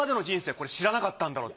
これ知らなかったんだろうって。